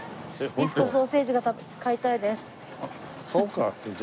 律子ソーセージが買いたいです。